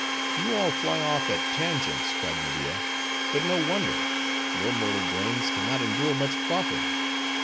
"You all fly off at tangents," cried Media, "but no wonder: your mortal brains can not endure much quaffing.